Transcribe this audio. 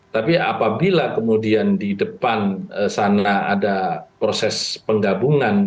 tapi apabila kemudian di depan sana ada proses penggabungan